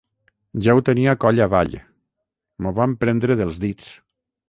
Ja ho tenia coll avall; m'ho van prendre dels dits.